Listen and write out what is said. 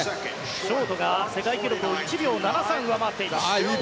ショートが世界記録を１秒７３上回っています。